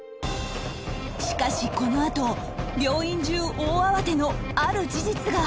しかしこのあと病院中大慌てのある事実が発覚